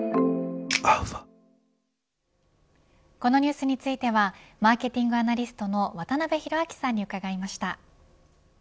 このニュースについてはマーケティングアナリストの渡辺広明さんに伺いました。